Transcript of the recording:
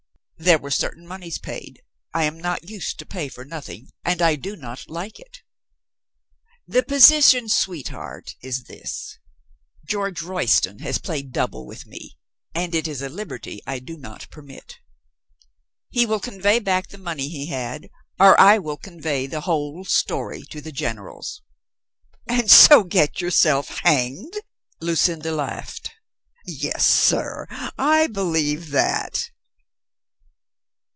There were certain moneys paid. I am not used to pay for nothing and I do not like it. The position, sweetheart, Is this: George Royston has played double with me and it is a liberty I do not permit. THE LAST INSPIRATION 445 He will convey back the money he had or I will con vey the whole story to the generals." "And so get yourself hanged !" Lucinda laughed. "Yes, sir, I believe that."